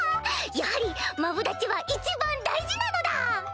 やはりマブダチは一番大事なのだぁ！